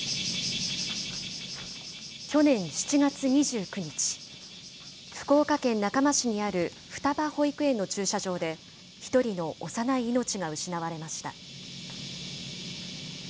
去年７月２９日、福岡県中間市にある双葉保育園の駐車場で、１人の幼い命が失われました。